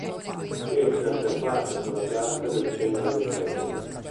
Essa si affaccia su una piazza del centro del paese.